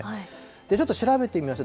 ちょっと調べてみました。